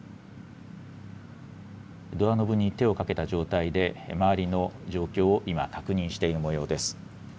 ドアノブに手をかけた状態で、周りの状況を今、確認しているもようです。